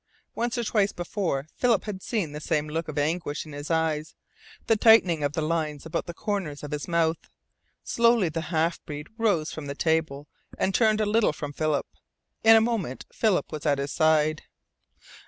Once or twice before Philip had seen the same look of anguish in his eyes, the tightening of the lines about the corners of his mouth. Slowly the half breed rose from the table and turned a little from Philip. In a moment Philip was at his side.